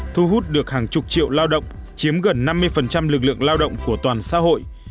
thu hút được hàng chục triệu lao động chiếm gần năm mươi lực lượng lao động của toàn xã hội